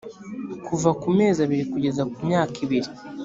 kuva ku mezi abiri kugeza ku myaka ibiri